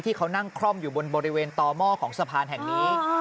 ที่เขานั่งคล่อมอยู่บนบริเวณต่อหม้อของสะพานแห่งนี้